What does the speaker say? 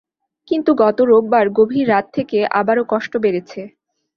কিন্তু গত রোববার গভীর রাত থেকে আবারও কষ্ট বেড়েছে।